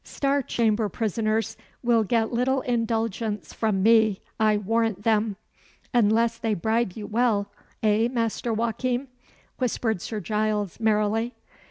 "Star Chamber prisoners will get little indulgence from me, I warrant them." "Unless they bribe you well eh, Master Joachim?" whispered Sir Giles, merrily.